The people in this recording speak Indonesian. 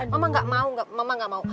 mama gak mau nggak mama gak mau